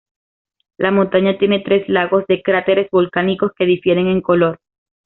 La montaña tiene tres lagos de cráteres volcánicos que difieren en color.